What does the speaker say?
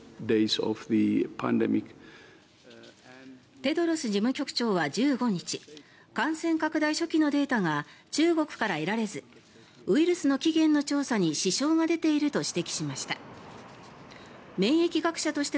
テドロス事務局長は１５日感染拡大初期のデータが中国から得られずウイルスの起源の調査に支障が出ていると指摘しました。